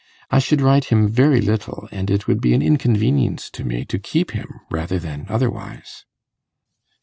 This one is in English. I should ride him very little, and it would be an inconvenience to me to keep him rather than otherwise.